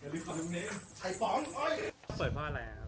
เปิดพ่ออะไรครับ